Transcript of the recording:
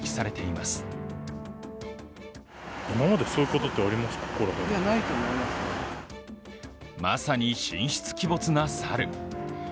まさに神出鬼没な猿。